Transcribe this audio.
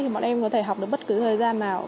thì bọn em có thể học được bất cứ thời gian nào